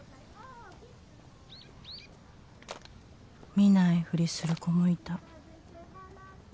「見ないふりする子もいた」